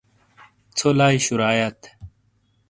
ژھو لائی شُرایات۔